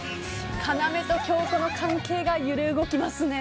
要と響子の関係が揺れ動きますね。